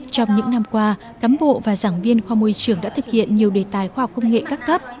trong những năm qua cán bộ và giảng viên khoa môi trường đã thực hiện nhiều đề tài khoa học công nghệ các cấp